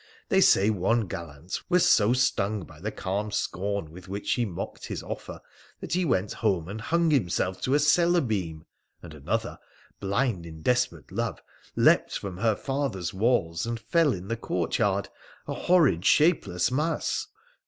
They say one gallant was so stung by the calm scorn with which she mocked his offer that he went home and hung himself to a cellar beam ; and another, blind in desperate love, leapt from her father's walls, and fell in the courtyard, a horrid, shapeless mass